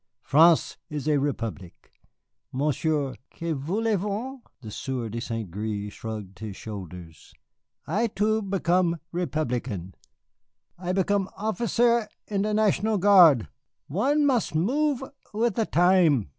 France is a republic. Monsieur que voulez vous?" (The Sieur de St. Gré shrugged his shoulders.) "I, too, become Republican. I become officier in the National Guard, one must move with the time.